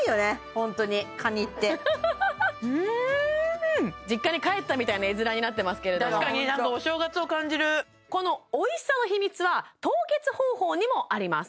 ホントにカニって実家に帰ったみたいな絵づらになってますけれども確かになんかお正月を感じるホントこのおいしさの秘密は凍結方法にもあります